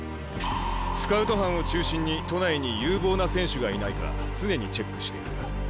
スカウト班を中心に都内に有望な選手がいないか常にチェックしている。